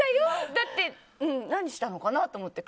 だって、何したのかなと思って。